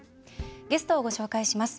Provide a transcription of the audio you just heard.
ゲストをご紹介します。